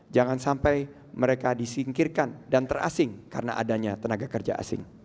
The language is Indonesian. jangan sampai mereka disingkirkan dan terasing karena adanya tenaga kerja asing